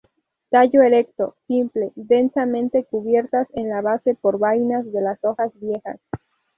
Tallo erecto, simple, densamente cubiertas en la base por vainas de las hojas viejas.